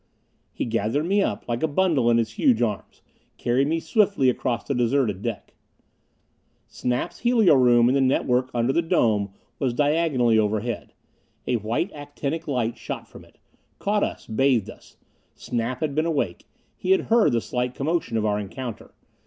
He gathered me up like a bundle in his huge arms; carried me swiftly across the deserted deck. Snap's helio room in the network under the dome was diagonally overhead. A white actinic light shot from it caught us, bathed us. Snap had been awake; had heard the slight commotion of our encounter.